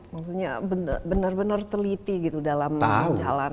maksudnya benar benar teliti gitu dalam jalan